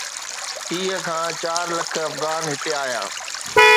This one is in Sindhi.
ٽيهه کان چار لک افغان هتي آيا.